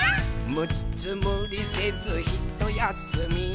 「むっつむりせずひとやすみ」